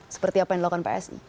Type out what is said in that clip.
seperti apa yang dilakukan psi